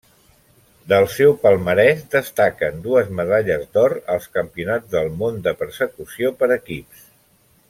Del seu palmarès destaquen dues medalles d'or als Campionats del món de persecució per equips.